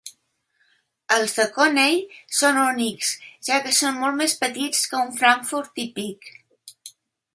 Els de Coney són únics, ja que són molt més petits que un frankfurt típic.